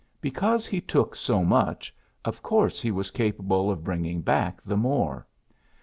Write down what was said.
Because he took so much, of course he was capable of bringing back the more.